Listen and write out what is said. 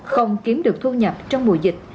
không kiếm được thu nhập trong mùa dịch